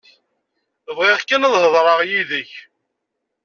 Bɣiɣ kan ad hedreɣ yid-k.